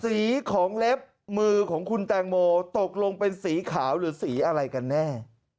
สีของเล็บมือของคุณแตงโมตกลงเป็นสีขาวหรือสีอะไรกันแน่